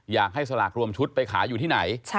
อยากให้สลากรวมชุดไปขายอยู่ที่ไหน